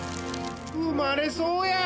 生まれそうや！